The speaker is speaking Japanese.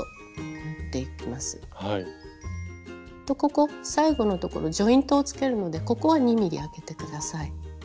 ここ最後のところジョイントをつけるのでここは２ｍｍあけて下さい。